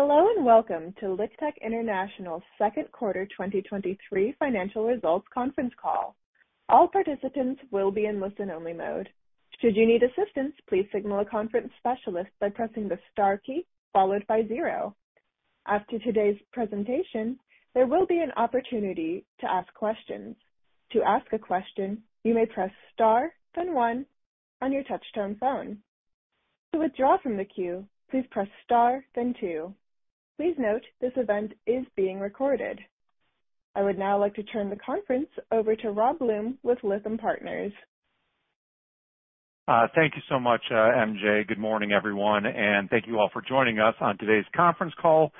Hello, welcome to LiqTech International's Second Quarter 2023 Financial Results Conference Call. All participants will be in listen-only mode. Should you need assistance, please signal a conference specialist by pressing the star key followed by zero. After today's presentation, there will be an opportunity to ask questions. To ask a question, you may press star, then one on your touchtone phone. To withdraw from the queue, please press star, then two. Please note, this event is being recorded. I would now like to turn the conference over to Robert Blum with Lytham Partners. Thank you so much, MJ. Good morning, everyone, thank you all for joining us on today's conference call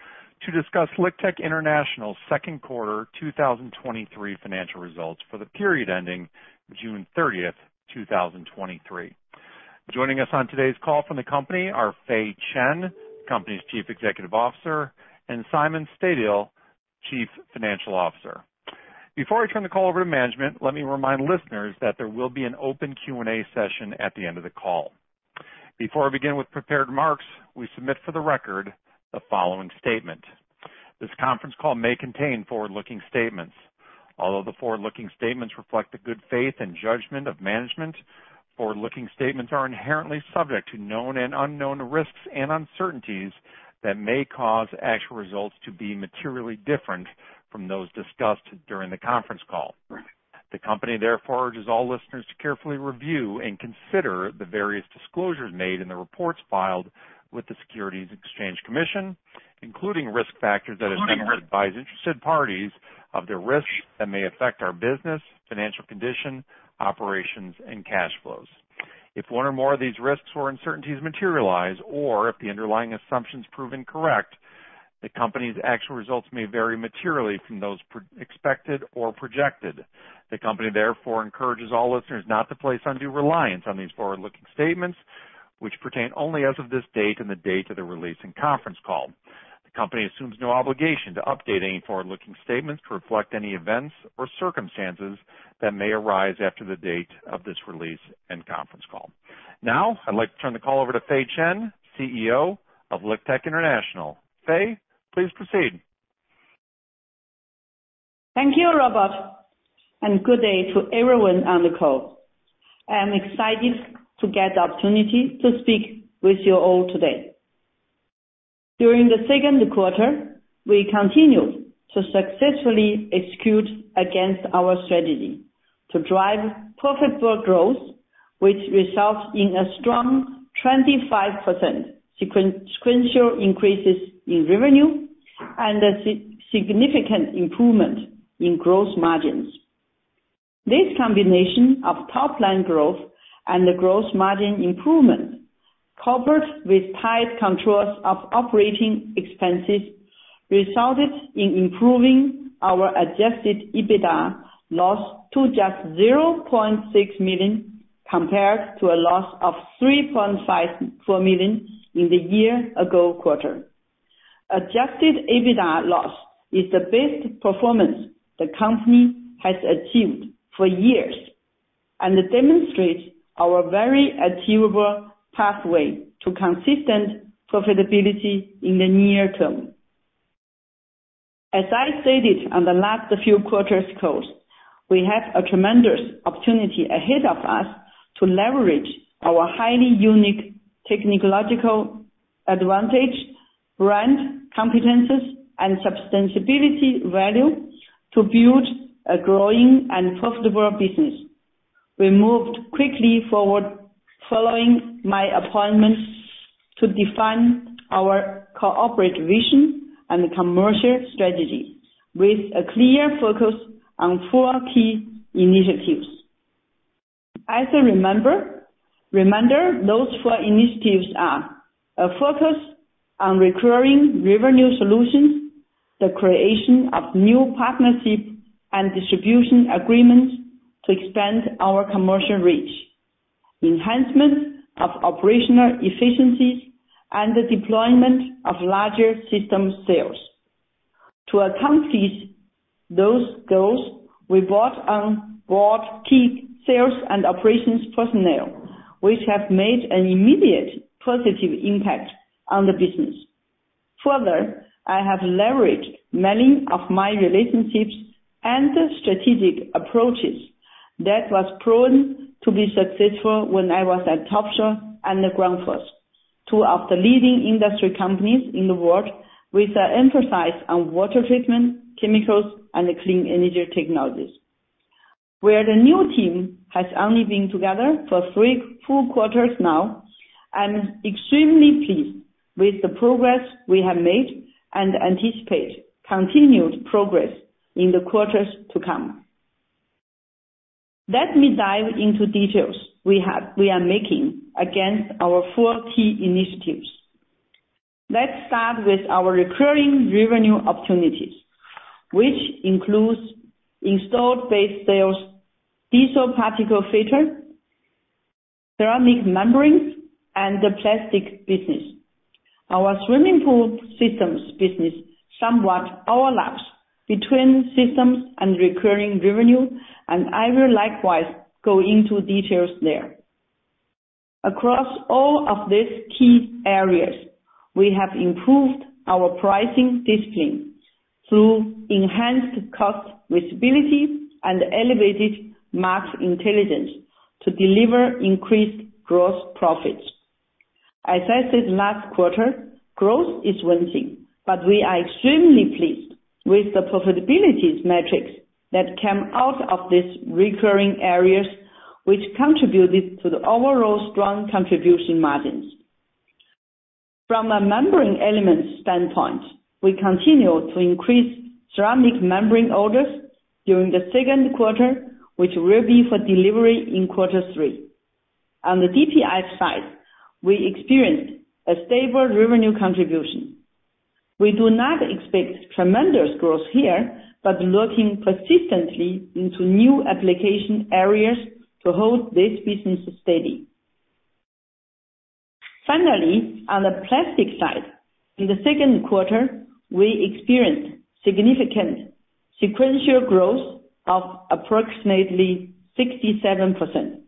to discuss LiqTech International's second quarter 2023 financial results for the period ending June 30th, 2023. Joining us on today's call from the company are Fei Chen, the company's Chief Executive Officer, and Simon Stadil, Chief Financial Officer. Before I turn the call over to management, let me remind listeners that there will be an open Q&A session at the end of the call. Before I begin with prepared remarks, we submit for the record the following statement: This conference call may contain forward-looking statements. Although the forward-looking statements reflect the good faith and judgment of management, forward-looking statements are inherently subject to known and unknown risks and uncertainties that may cause actual results to be materially different from those discussed during the conference call. The company therefore urges all listeners to carefully review and consider the various disclosures made in the reports filed with the Securities and Exchange Commission, including risk factors that are numbered by interested parties of the risks that may affect our business, financial condition, operations, and cash flows. If one or more of these risks or uncertainties materialize, or if the underlying assumptions prove incorrect, the company's actual results may vary materially from those expected or projected. The company therefore encourages all listeners not to place undue reliance on these forward-looking statements, which pertain only as of this date and the date of the release and conference call. The company assumes no obligation to update any forward-looking statements to reflect any events or circumstances that may arise after the date of this release and conference call. Now, I'd like to turn the call over to Fei Chen, CEO of LiqTech International. Fei, please proceed. Thank you, Robert. Good day to everyone on the call. I am excited to get the opportunity to speak with you all today. During the second quarter, we continued to successfully execute against our strategy to drive profitable growth, which results in a strong 25% sequential increases in revenue and a significant improvement in gross margins. This combination of top-line growth and the gross margin improvement, coupled with tight controls of operating expenses, resulted in improving our Adjusted EBITDA loss to just $0.6 million, compared to a loss of $3.54 million in the year ago quarter. Adjusted EBITDA loss is the best performance the company has achieved for years and demonstrates our very achievable pathway to consistent profitability in the near term. As I stated on the last few quarters' calls, we have a tremendous opportunity ahead of us to leverage our highly unique technological advantage, brand competencies, and sustainability value to build a growing and profitable business. We moved quickly forward following my appointment to define our corporate vision and commercial strategy with a clear focus on four key initiatives. Reminder, those four initiatives are: a focus on recurring revenue solutions, the creation of new partnerships and distribution agreements to expand our commercial reach, enhancement of operational efficiencies, and the deployment of larger system sales. To accomplish those goals, we brought on board key sales and operations personnel, which have made an immediate positive impact on the business. Further, I have leveraged many of my relationships and strategic approaches that was proven to be successful when I was at Topsoe and Grundfos, two of the leading industry companies in the world, with an emphasis on water treatment, chemicals, and clean energy technologies. Where the new team has only been together for three full quarters now, I'm extremely pleased with the progress we have made and anticipate continued progress in the quarters to come. Let me dive into details we are making against our four key initiatives. Let's start with our recurring revenue opportunities, which includes installed base sales, diesel particulate filter, ceramic membranes, and the plastic business. Our swimming pool systems business somewhat overlaps between systems and recurring revenue, and I will likewise go into details there. Across all of these key areas, we have improved our pricing discipline through enhanced cost visibility and elevated market intelligence to deliver increased gross profits. As I said last quarter, growth is one thing. We are extremely pleased with the profitability metrics that came out of these recurring areas, which contributed to the overall strong contribution margins. From a membrane element standpoint, we continue to increase ceramic membrane orders during the second quarter, which will be for delivery in quarter three. On the DPF side, we experienced a stable revenue contribution. We do not expect tremendous growth here. Looking persistently into new application areas to hold this business steady. Finally, on the plastic side, in the second quarter, we experienced significant sequential growth of approximately 67%.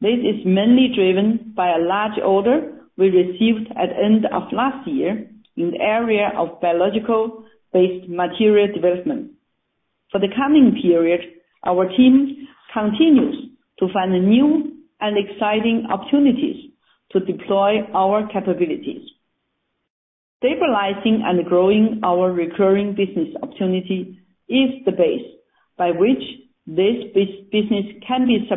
This is mainly driven by a large order we received at end of last year in the area of biological-based material development. For the coming period, our team continues to find new and exciting opportunities to deploy our capabilities. Stabilizing and growing our recurring business opportunity is the base by which this business can be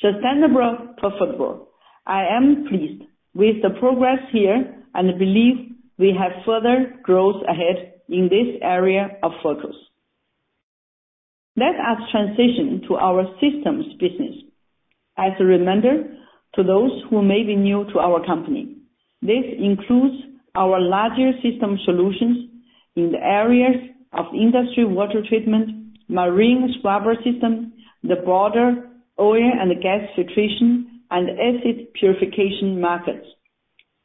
sustainable, profitable. I am pleased with the progress here and believe we have further growth ahead in this area of focus. Let us transition to our systems business. As a reminder to those who may be new to our company, this includes our larger system solutions in the areas of industrial water treatment, marine scrubber systems, the broader oil and gas situation, and acid purification markets.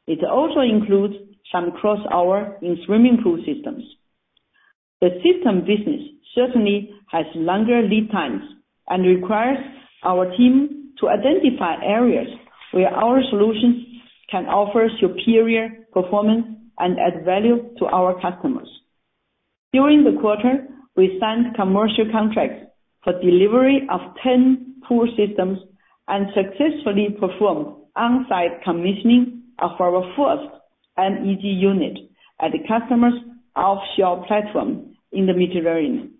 It also includes some cross-hour in swimming pool systems. The system business certainly has longer lead times and requires our team to identify areas where our solutions can offer superior performance and add value to our customers. During the quarter, we signed commercial contracts for delivery of 10 pool systems and successfully performed on-site commissioning of our first MEG unit at the customer's offshore platform in the Mediterranean.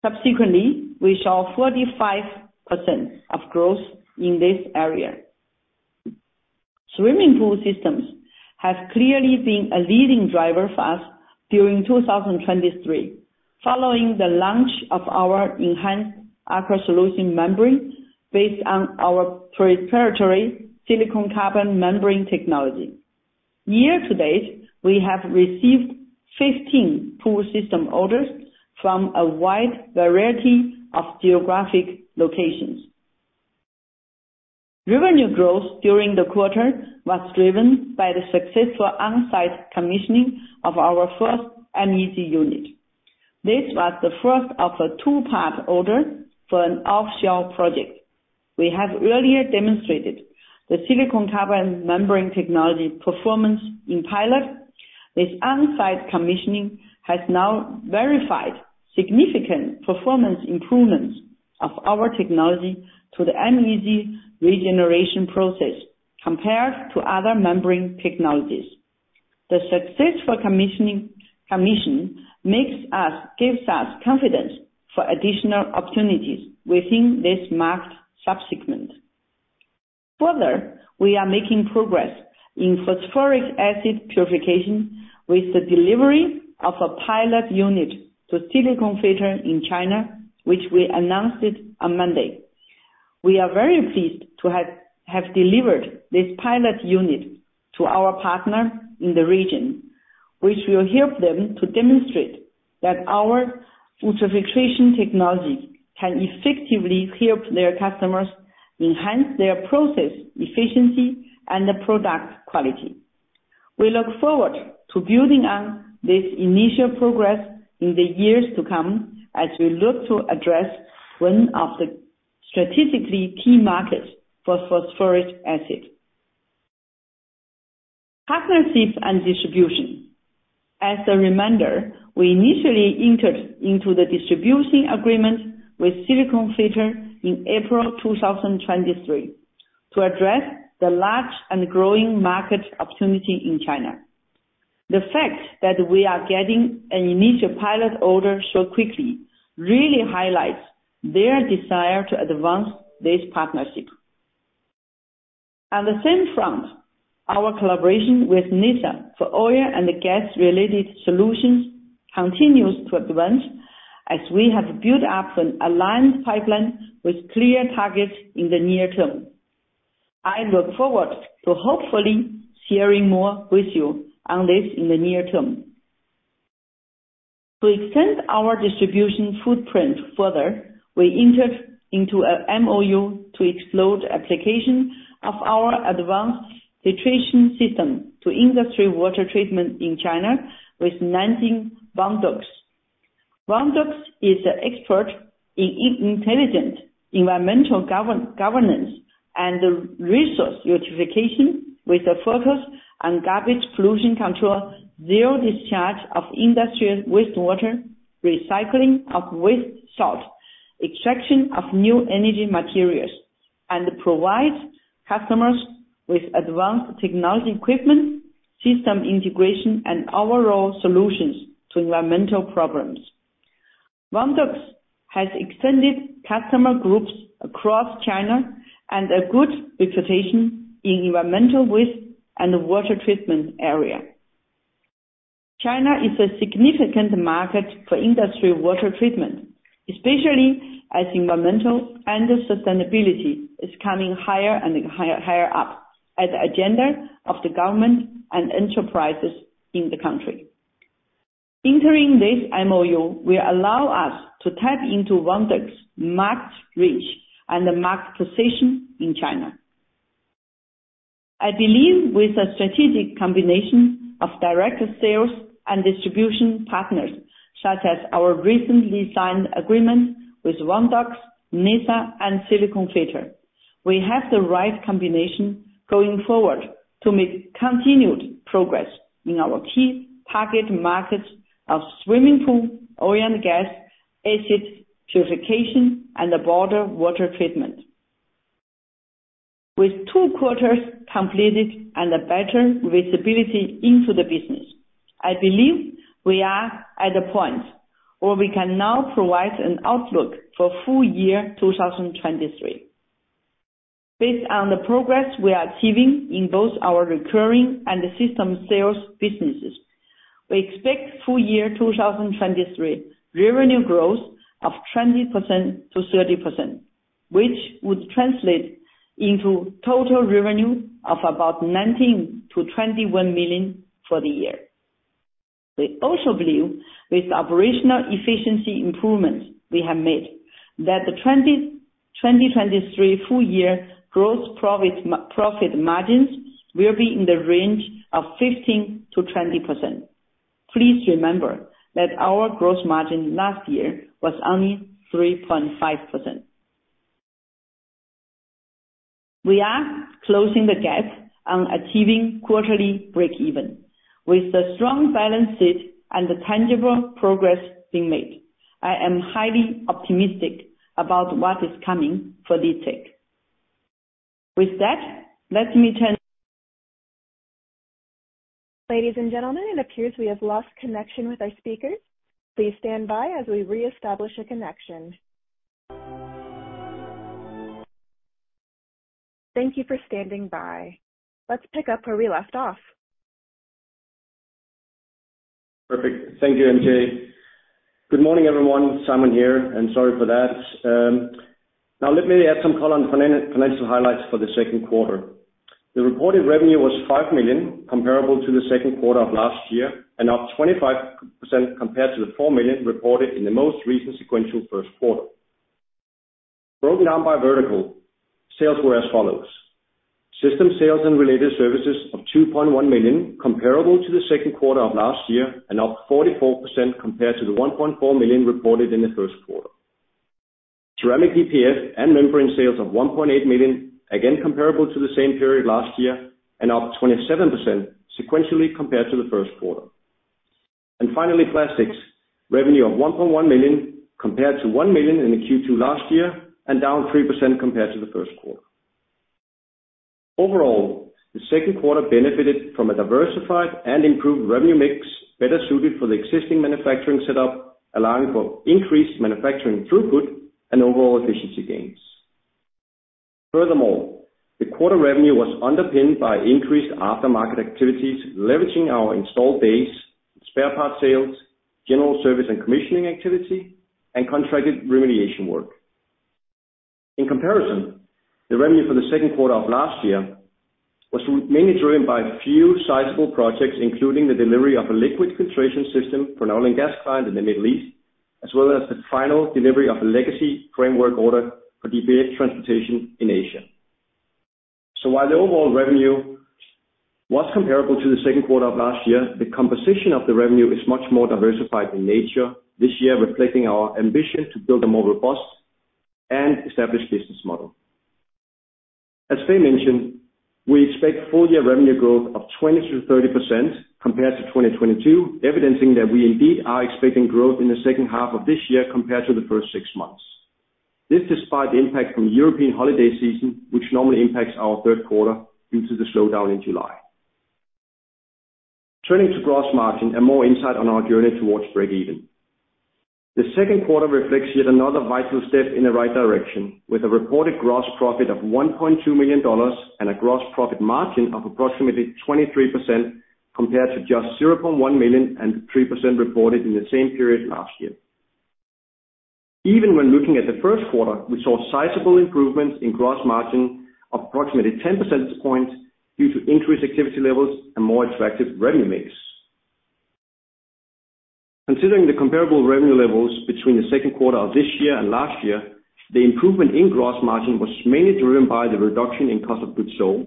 Subsequently, we saw 45% of growth in this area. Swimming pool systems have clearly been a leading driver for us during 2023, following the launch of our enhanced Aqua Solution membrane based on our proprietary silicon carbide membrane technology. Year-to-date, we have received 15 pool system orders from a wide variety of geographic locations. Revenue growth during the quarter was driven by the successful on-site commissioning of our first MEG unit. This was the first of a two-part order for an offshore project. We have earlier demonstrated the silicon carbide membrane technology performance in pilot. This on-site commissioning has now verified significant performance improvements of our technology to the MEG regeneration process compared to other membrane technologies. The successful commissioning gives us confidence for additional opportunities within this marked subsegment. Further, we are making progress in phosphoric acid purification with the delivery of a pilot unit to Silicon Filter in China, which we announced it on Monday. We are very pleased to have delivered this pilot unit to our partner in the region, which will help them to demonstrate that our ultrafiltration technology can effectively help their customers enhance their process efficiency and the product quality. We look forward to building on this initial progress in the years to come, as we look to address one of the strategically key markets for phosphoric acid. Partnerships and distribution. As a reminder, we initially entered into the distribution agreement with Silicon Filter in April 2023 to address the large and growing market opportunity in China. The fact that we are getting an initial pilot order so quickly, really highlights their desire to advance this partnership. On the same front, our collaboration with NISA for oil and gas-related solutions continues to advance, as we have built up an aligned pipeline with clear targets in the near term. I look forward to hopefully sharing more with you on this in the near term. To extend our distribution footprint further, we entered into a MoU to explore the application of our advanced filtration system to industry water treatment in China with Nanjing Wondux. Wondux is an expert in intelligent environmental governance and resource utilization, with a focus on garbage pollution control, zero discharge of industrial wastewater, recycling of waste salt, extraction of new energy materials, and provides customers with advanced technology equipment, system integration, and overall solutions to environmental problems. Wondux has extended customer groups across China and a good reputation in environmental waste and water treatment area. China is a significant market for industrial water treatment, especially as environmental and sustainability is coming higher and higher, higher up as agenda of the government and enterprises in the country. Entering this MoU will allow us to tap into Wondux's market reach and the market position in China. I believe with a strategic combination of direct sales and distribution partners, such as our recently signed agreement with Wondux, NISA and Silicon Filter, we have the right combination going forward to make continued progress in our key target markets of swimming pool, oil and gas, acid purification and border water treatment. With two quarters completed and a better visibility into the business, I believe we are at a point where we can now provide an outlook for full year 2023. Based on the progress we are achieving in both our recurring and the system sales businesses, we expect full year 2023 revenue growth of 20%-30%, which would translate into total revenue of about $19 million-$21 million for the year. We also believe with operational efficiency improvements we have made, that the 2023 full year gross profit margins will be in the range of 15%-20%. Please remember that our gross margin last year was only 3.5%. We are closing the gap on achieving quarterly breakeven. With the strong balance sheet and the tangible progress being made, I am highly optimistic about what is coming for LiqTech. With that, let me turn- Ladies and gentlemen, it appears we have lost connection with our speakers. Please stand by as we reestablish a connection. Thank you for standing by. Let's pick up where we left off. Perfect. Thank you, MJ. Good morning, everyone. Simon here, sorry for that. Now, let me add some color on financial highlights for the second quarter. The reported revenue was $5 million, comparable to the second quarter of last year, and up 25% compared to the $4 million reported in the most recent sequential first quarter. Broken down by vertical, sales were as follows: System sales and related services of $2.1 million, comparable to the second quarter of last year, and up 44% compared to the $1.4 million reported in the first quarter. Ceramic DPFs and membrane sales of $1.8 million, again, comparable to the same period last year, and up 27% sequentially compared to the first quarter. Finally, plastics. Revenue of $1.1 million compared to $1 million in the Q2 last year. Down 3% compared to the first quarter. Overall, the second quarter benefited from a diversified and improved revenue mix, better suited for the existing manufacturing setup, allowing for increased manufacturing throughput and overall efficiency gains. Furthermore, the quarter revenue was underpinned by increased aftermarket activities, leveraging our installed base, spare parts sales, general service and commissioning activity, and contracted remediation work. In comparison, the revenue for the second quarter of last year was mainly driven by a few sizable projects, including the delivery of a liquid filtration system for an oil and gas client in the Middle East, as well as the final delivery of a legacy framework order for DPFs transportation in Asia. While the overall revenue was comparable to the second quarter of last year, the composition of the revenue is much more diversified in nature this year, reflecting our ambition to build a mobile business and establish business model. As Fei mentioned, we expect full year revenue growth of 20%-30% compared to 2022, evidencing that we indeed are expecting growth in the second half of this year compared to the first 6 months. This despite the impact from the European holiday season, which normally impacts our third quarter due to the slowdown in July. Turning to gross margin and more insight on our journey towards breakeven. The second quarter reflects yet another vital step in the right direction, with a reported gross profit of $1.2 million and a gross profit margin of approximately 23%, compared to just $0.1 million and 3% reported in the same period last year. Even when looking at the first quarter, we saw sizable improvements in gross margin of approximately 10 percentage points due to increased activity levels and more attractive revenue mix. Considering the comparable revenue levels between the second quarter of this year and last year, the improvement in gross margin was mainly driven by the reduction in cost of goods sold.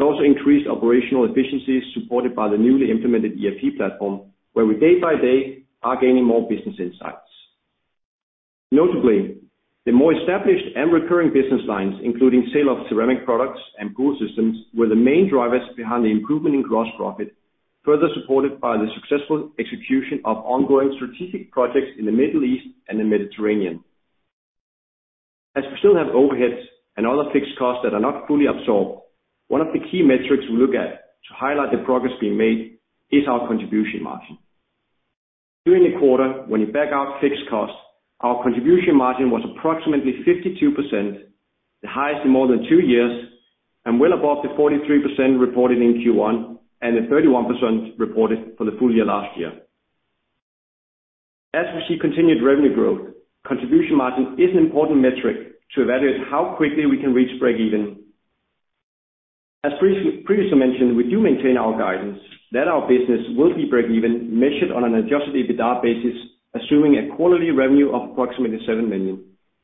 Also increased operational efficiencies supported by the newly implemented ERP platform, where we day by day are gaining more business insights. Notably, the more established and recurring business lines, including sale of ceramic products and pool systems, were the main drivers behind the improvement in gross profit, further supported by the successful execution of ongoing strategic projects in the Middle East and the Mediterranean. As we still have overheads and other fixed costs that are not fully absorbed, one of the key metrics we look at to highlight the progress being made is our contribution margin. During the quarter, when you back out fixed costs, our contribution margin was approximately 52%, the highest in more than two years, and well above the 43% reported in Q1, and the 31% reported for the full year last year. As we see continued revenue growth, contribution margin is an important metric to evaluate how quickly we can reach breakeven. As previously mentioned, we do maintain our guidance that our business will be breakeven, measured on an Adjusted EBITDA basis, assuming a quarterly revenue of approximately $7 million,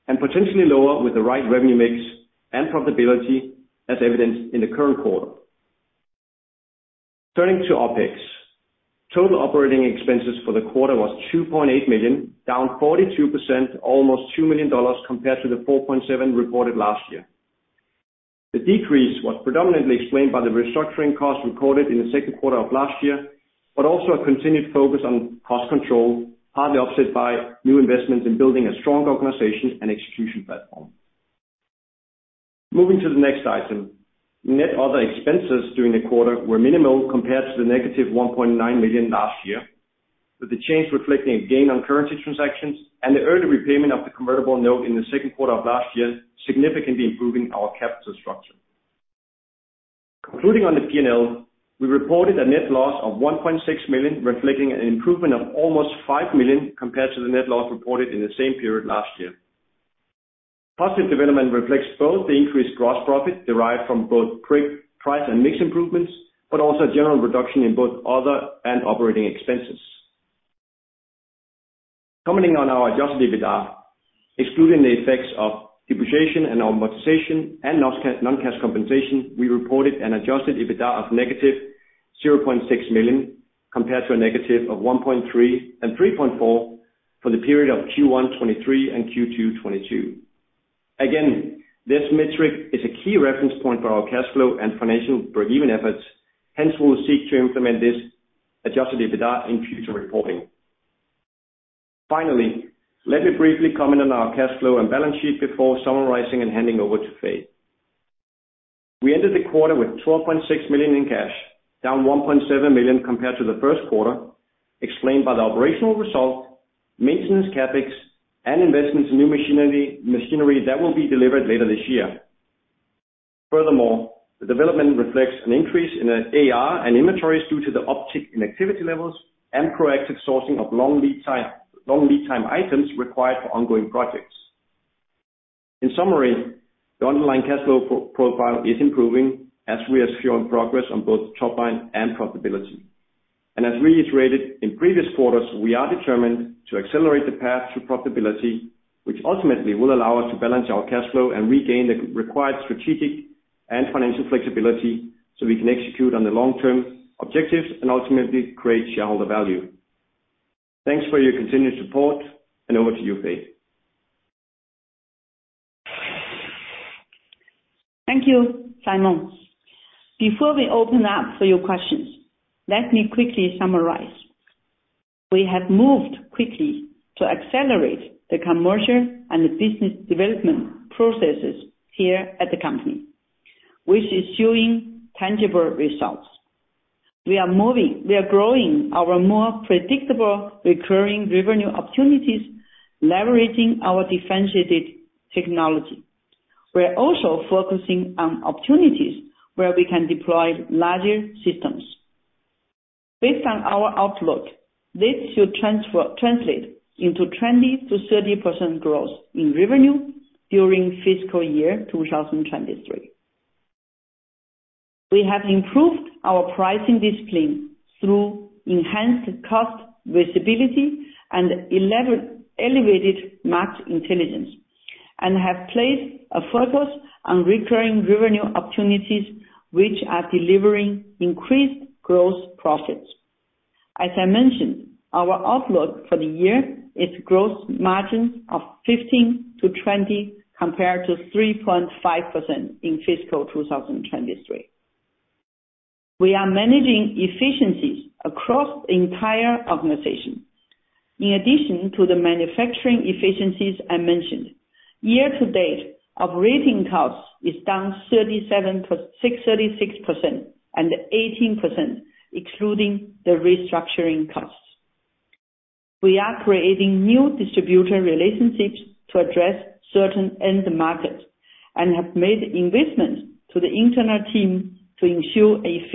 and potentially lower with the right revenue mix and profitability as evidenced in the current quarter. Turning to OpEx. Total operating expenses for the quarter was $2.8 million, down 42%, almost $2 million, compared to the $4.7 million reported last year. The decrease was predominantly explained by the restructuring costs recorded in the second quarter of last year, also a continued focus on cost control, partly offset by new investments in building a strong organization and execution platform. Moving to the next item. Net other expenses during the quarter were minimal compared to the negative $1.9 million last year, with the change reflecting a gain on currency transactions and the early repayment of the convertible note in the second quarter of last year, significantly improving our capital structure. Concluding on the P&L, we reported a net loss of $1.6 million, reflecting an improvement of almost $5 million compared to the net loss reported in the same period last year. Positive development reflects both the increased gross profit derived from both price and mix improvements, also a general reduction in both other and operating expenses. Commenting on our Adjusted EBITDA, excluding the effects of depreciation and amortization and non-cash compensation, we reported an Adjusted EBITDA of negative $0.6 million, compared to a negative of $1.3 million and $3.4 million for the period of Q1 2023 and Q2 2022. Again, this metric is a key reference point for our cash flow and financial breakeven efforts. Hence, we'll seek to implement this Adjusted EBITDA in future reporting. Finally, let me briefly comment on our cash flow and balance sheet before summarizing and handing over to Fei. We ended the quarter with $12.6 million in cash, down $1.7 million compared to the first quarter, explained by the operational result, maintenance CapEx, and investments in new machinery, machinery that will be delivered later this year. Furthermore, the development reflects an increase in AR and inventories due to the uptick in activity levels and proactive sourcing of long lead time, long lead time items required for ongoing projects. In summary, the underlying cash flow profile is improving as we are showing progress on both top line and profitability. As reiterated in previous quarters, we are determined to accelerate the path to profitability, which ultimately will allow us to balance our cash flow and regain the required strategic and financial flexibility, so we can execute on the long-term objectives and ultimately create shareholder value. Thanks for your continued support, and over to you, Fei. Thank you, Simon. Before we open up for your questions, let me quickly summarize. We have moved quickly to accelerate the commercial and the business development processes here at the company, which is showing tangible results. We are growing our more predictable, recurring revenue opportunities, leveraging our differentiated technology. We are also focusing on opportunities where we can deploy larger systems. Based on our outlook, this should translate into 20%-30% growth in revenue during fiscal year 2023. We have improved our pricing discipline through enhanced cost visibility and elevated match intelligence, and have placed a focus on recurring revenue opportunities, which are delivering increased gross profits. As I mentioned, our outlook for the year is gross margins of 15%-20%, compared to 3.5% in fiscal 2023. We are managing efficiencies across the entire organization. In addition to the manufacturing efficiencies I mentioned, year-to-date, operating costs is down 36%, and 18%, excluding the restructuring costs. We are creating new distribution relationships to address certain end markets, and have made investments to the internal team to ensure a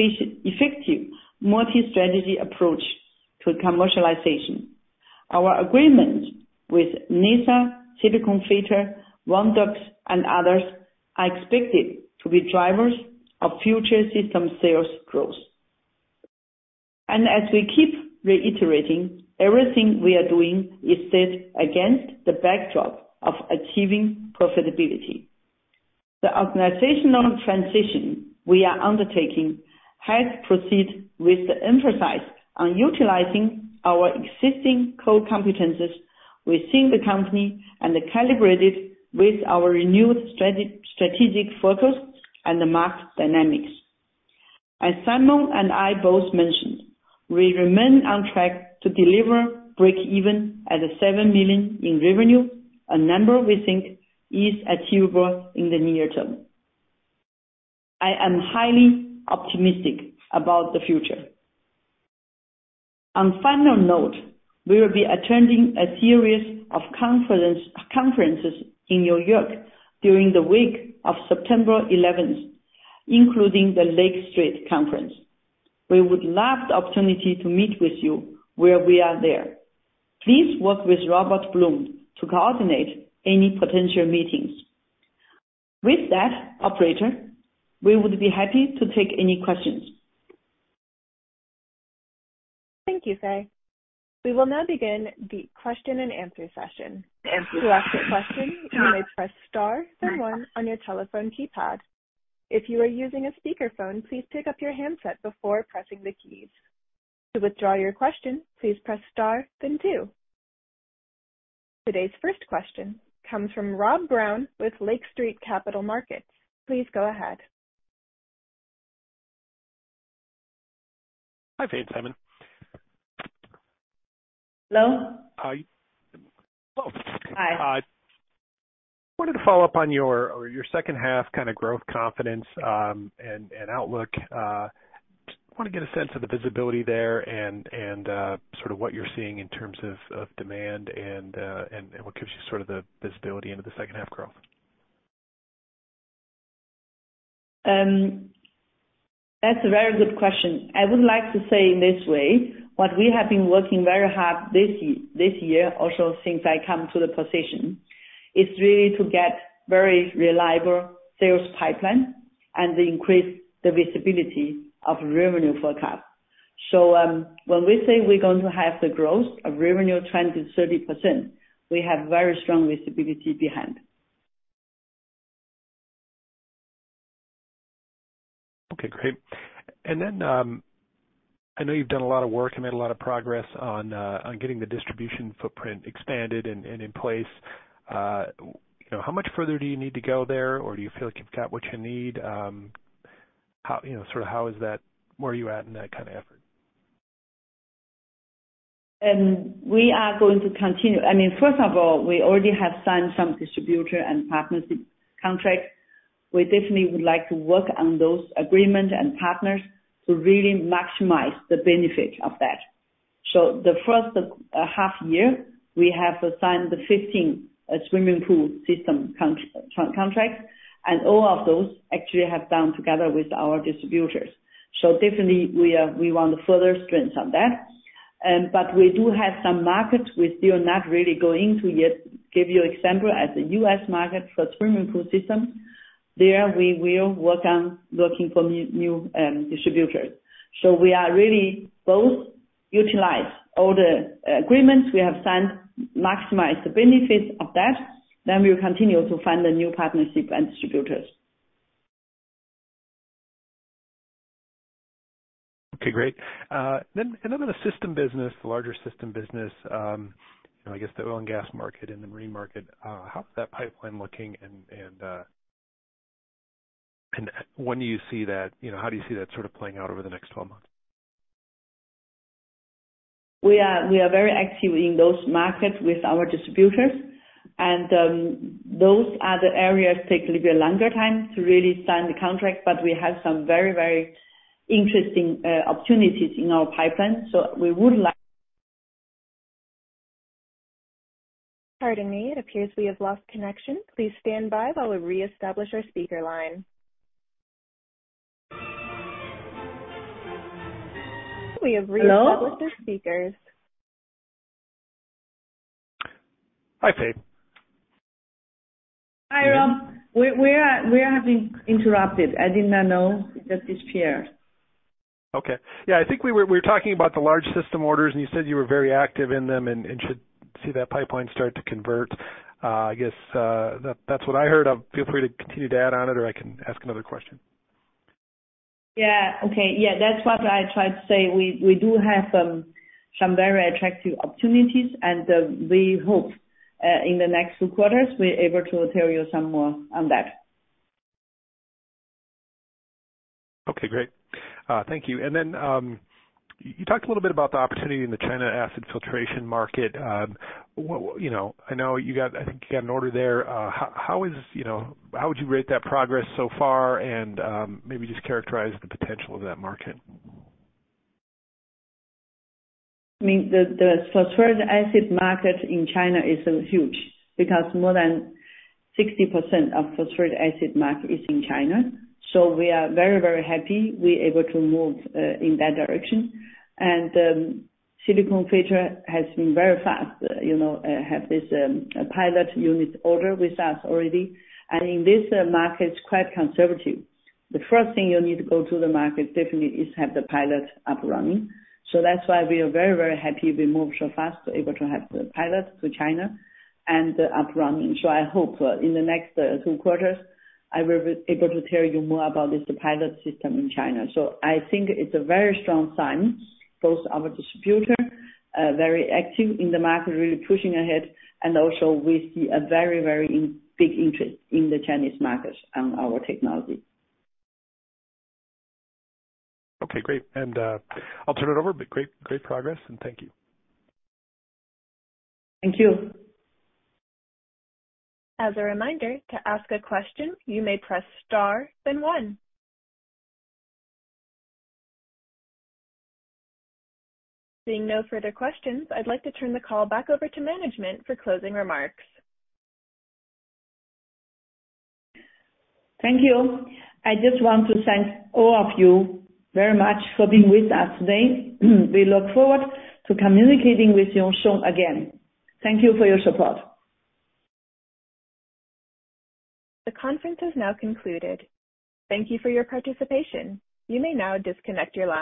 effective multi-strategy approach to commercialization. Our agreements with NISA, Silicon Filter, Wondux, and others, are expected to be drivers of future system sales growth. As we keep reiterating, everything we are doing is set against the backdrop of achieving profitability. The organizational transition we are undertaking has proceeded with the emphasis on utilizing our existing core competencies within the company and calibrated with our renewed strategic focus and the market dynamics. As Simon and I both mentioned, we remain on track to deliver breakeven as a $7 million in revenue, a number we think is achievable in the near term. I am highly optimistic about the future. On final note, we will be attending a series of conferences in New York during the week of September 11th, including the Lake Street Conference. We would love the opportunity to meet with you where we are there. Please work with Robert Blum to coordinate any potential meetings. With that, operator, we would be happy to take any questions. Thank you, Fei. We will now begin the question and answer session. To ask a question, you may press star then one on your telephone keypad. If you are using a speakerphone, please pick up your handset before pressing the keys. To withdraw your question, please press star then two. Today's first question comes from Rob Brown with Lake Street Capital Markets. Please go ahead. Hi, Fei and Simon. Hello? Hi. Hello. Hi. Wanted to follow up on your, on your second half kind of growth confidence, and outlook. Just want to get a sense of the visibility there and, sort of what you're seeing in terms of, of demand and, and what gives you sort of the visibility into the second half growth. That's a very good question. I would like to say in this way, what we have been working very hard this year, also, since I come to the position, is really to get very reliable sales pipeline and increase the visibility of revenue forecast. When we say we're going to have the growth of revenue trend to 30%, we have very strong visibility behind. Okay, great. Then, I know you've done a lot of work and made a lot of progress on getting the distribution footprint expanded and, and in place. How much further do you need to go there, or do you feel like you've got what you need? How, you know, sort of how is that, where are you at in that kind of effort? We are going to continue. I mean, first of all, we already have signed some distributor and partnership contracts. We definitely would like to work on those agreements and partners to really maximize the benefit of that. The first half year, we have signed 15 swimming pool system contracts, and all of those actually have done together with our distributors. Definitely we want to further strengthen that. We do have some markets we're still not really going to yet. Give you example, as a U.S. market for swimming pool systems, there we will work on looking for new, new distributors. We are really both utilize all the agreements we have signed, maximize the benefits of that, then we will continue to find the new partnership and distributors. Okay, great. Then the system business, the larger system business, you know, I guess the oil and gas market and the marine market, how is that pipeline looking and when do you see that, you know, how do you see that sort of playing out over the next 12 months? We are, we are very active in those markets with our distributors, and those are the areas take a little bit longer time to really sign the contract, but we have some very, very interesting opportunities in our pipeline, so we would like... Pardon me. It appears we have lost connection. Please stand by while we reestablish our speaker line. We have reestablished our speakers. Hi, Fei. Hi, Rob. We are having interrupted. I did not know that this clear. Okay. Yeah, I think we were, we were talking about the large system orders. You said you were very active in them and, and should see that pipeline start to convert. I guess, that's what I heard. Feel free to continue to add on it, or I can ask another question. Yeah. Okay. Yeah, that's what I tried to say. We, we do have some, some very attractive opportunities, and, we hope, in the next two quarters, we're able to tell you some more on that. Okay, great. Thank you. You talked a little bit about the opportunity in the China acid filtration market. You know, I know you got, I think you got an order there. How is, you know, how would you rate that progress so far? Maybe just characterize the potential of that market. I mean, the, the phosphoric acid market in China is huge because more than 60% of phosphoric acid market is in China. We are very, very happy we're able to move in that direction. Silicon Filter has been very fast, you know, have this pilot unit order with us already, and in this market, it's quite conservative. The first thing you need to go to the market definitely is have the pilot up running. That's why we are very, very happy we moved so fast, able to have the pilot to China and up running. I hope in the next 2 quarters, I will be able to tell you more about this pilot system in China. I think it's a very strong sign, both our distributor, very active in the market, really pushing ahead, and also we see a very, very big interest in the Chinese market on our technology. Okay, great. I'll turn it over. Great, great progress, and thank you. Thank you. As a reminder, to ask a question, you may press star then one. Seeing no further questions, I'd like to turn the call back over to management for closing remarks. Thank you. I just want to thank all of you very much for being with us today. We look forward to communicating with you soon again. Thank you for your support. The conference is now concluded. Thank you for your participation. You may now disconnect your line.